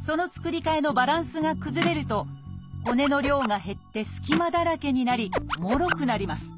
その作り替えのバランスが崩れると骨の量が減って隙間だらけになりもろくなります。